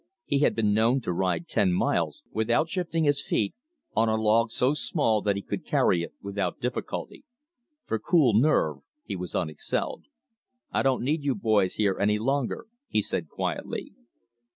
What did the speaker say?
He had been known to ride ten miles, without shifting his feet, on a log so small that he could carry it without difficulty. For cool nerve he was unexcelled. "I don't need you boys here any longer," he said quietly.